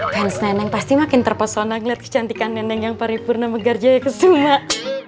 fans neneng pasti makin terpesona ngeliat kecantikan neneng yang paripurna megarjaya ke sumat